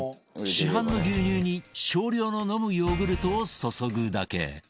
市販の牛乳に少量の飲むヨーグルトを注ぐだけ